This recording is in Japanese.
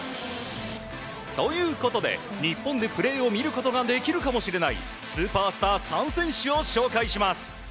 ということで、日本でプレーを見ることができるかもしれないスーパースター３選手を紹介します。